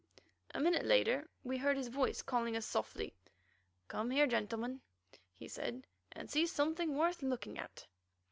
A minute later we heard his voice calling us softly: "Come here, gentlemen," he said, "and see something worth looking at."